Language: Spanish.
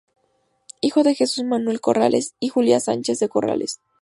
Hijo de Jesús Manuel Corrales y Julia Sánchez de Corrales.